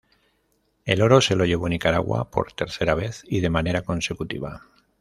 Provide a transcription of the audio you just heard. El oro se lo llevó Nicaragua por tercera vez y de manera consecutiva.